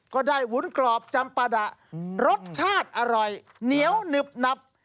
ก็ได้วุ้นกรอบจำปาดะรสชาติอร่อยเหนียวหนึบหนับ